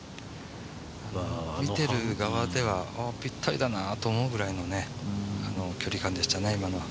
見てる側では、ぴったりだなと思うぐらいの距離感でしたね。